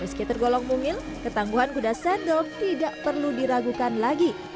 meski tergolong mumil ketangguhan kuda sendok tidak perlu diragukan lagi